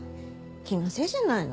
気のせいじゃないの？